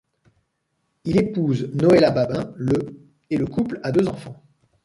Il épouse Noëlla Babin le et le couple a deux enfants.